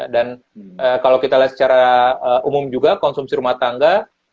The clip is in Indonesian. dan kalau kita lihat secara umum juga konsumsi rumah tangga